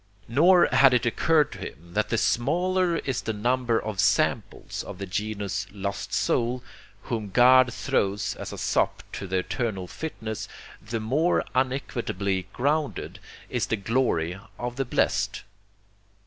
Nor had it occurred to him that the smaller is the number of 'samples' of the genus 'lost soul' whom God throws as a sop to the eternal fitness, the more unequitably grounded is the glory of the blest.